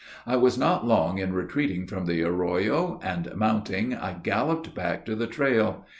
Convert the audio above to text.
I was not long in retreating from the arroyo; and, mounting, I galloped back to the trail.